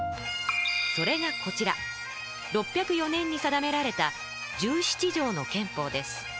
それがこちら６０４年に定められた「十七条の憲法」です。